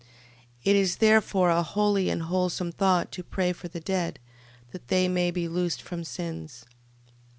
12:46. It is therefore a holy and wholesome thought to pray for the dead, that they may be loosed from sins.